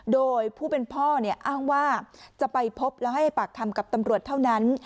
โดยผู้เป็นพ่ออ้างว่าจะไปพบแล้วให้ปากคำกับตำรวจเท่านั้น